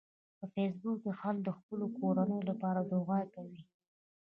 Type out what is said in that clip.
په فېسبوک کې خلک د خپلو کورنیو لپاره دعاوې کوي